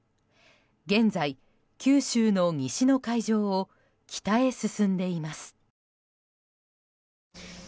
現在、九州の西の海上を北へ進んでいます。